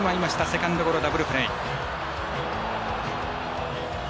セカンドゴロ、ダブルプレー。